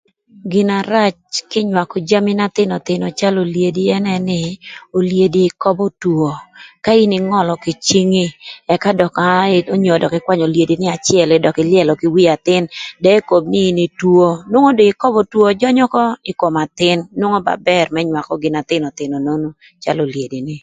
Gina rac kï nywakö jami na thïnöthïnö calö olyedi ënë nï, olyedi köbö two. Ka in ïngölö kï cingi ëka dök aa onyo dök ïkwanyö olyedi ni acël nï dök̈ ïlyëlö kï wii athïn de ekob nï in itwo inwongo do ïköbö two jönjö ökö ï kom athïn nwongo ba bër më nywakö gina thïnöthïnö nonu calö olyedi ni